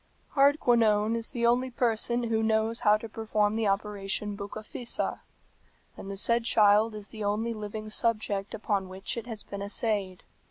"Hardquanonne is the only person who knows how to perform the operation Bucca fissa, and the said child is the only living subject upon which it has been essayed.